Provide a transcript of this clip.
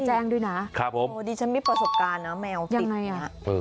ครับผมโดดิฉันไม่ประสบการณ์นะ